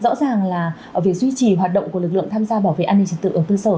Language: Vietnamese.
rõ ràng là việc duy trì hoạt động của lực lượng tham gia bảo vệ an ninh trật tự ở cơ sở